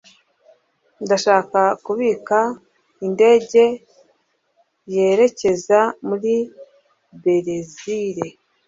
Ndashaka kubika indege yerekeza muri Berezile.